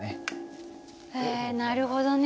へえなるほどね。